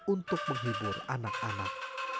untuk menghibur anak anak